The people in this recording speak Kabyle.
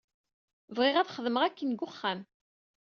Bɣiɣ ad xedmeɣ akken deg uxxam.